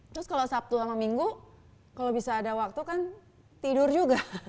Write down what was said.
terus kalau sabtu sama minggu kalau bisa ada waktu kan tidur juga